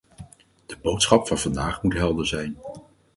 De boodschap van vandaag moet helder zijn.